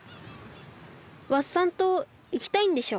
ワッサン島いきたいんでしょ？